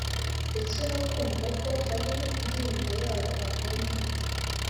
no kumva ko hari indirimbo yabo akunda